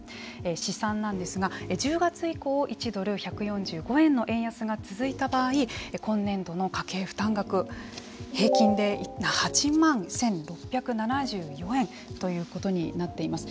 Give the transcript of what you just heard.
試算なんですが１０月以降、１ドル１４５円の円安が続いた場合今年度の家計負担額平均で８万１６７４円ということになっています。